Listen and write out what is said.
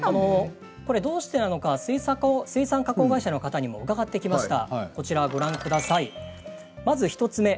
どうしてなのか水産加工会社の方に伺ってきました。